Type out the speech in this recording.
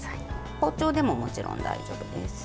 包丁でももちろん大丈夫です。